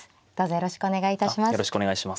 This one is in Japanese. よろしくお願いします。